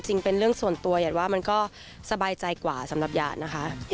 เป็นเรื่องส่วนตัวหยาดว่ามันก็สบายใจกว่าสำหรับหยาดนะคะ